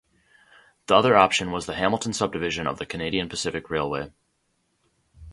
The other option was the Hamilton Subdivision of the Canadian Pacific Railway.